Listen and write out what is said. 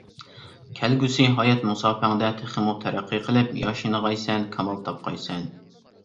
كەلگۈسى ھايات مۇساپەڭدە تېخىمۇ تەرەققىي قىلىپ ياشنىغايسەن، كامال تاپقايسەن.